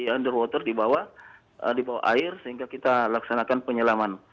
underwater di bawah air sehingga kita laksanakan penyelaman